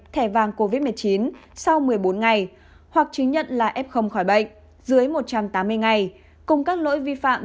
thẻ vàng covid một mươi chín sau một mươi bốn ngày hoặc chứng nhận là f khỏi bệnh dưới một trăm tám mươi ngày cùng các lỗi vi phạm